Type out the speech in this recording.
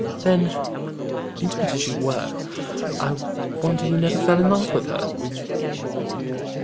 "Then intimate as you were I wonder you never fell in love with her."